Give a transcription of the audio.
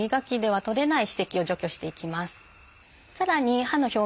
はい。